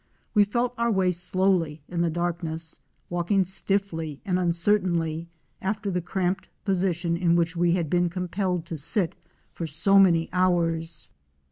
We felt our way slowly in the darkness, walking stiffly and uncer tainly after the cramped position in which we had been compelled to sit for so many hours.